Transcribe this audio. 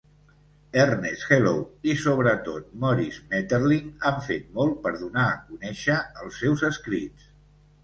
Ernest Hello i sobretot Maurice Maeterlinck han fet molt per donar a conèixer els seus escrits.